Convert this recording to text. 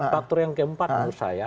faktor yang keempat menurut saya